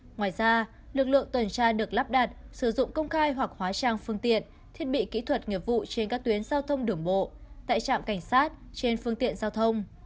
ngoài ra lực lượng tuần tra được lắp đặt sử dụng công khai hoặc hóa trang phương tiện thiết bị kỹ thuật nghiệp vụ trên các tuyến giao thông đường bộ tại trạm cảnh sát trên phương tiện giao thông